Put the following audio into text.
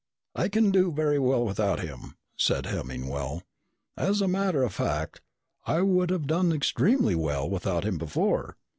"I can do very well without him," said Hemmingwell. "As a matter of fact, I would have done extremely well without him before."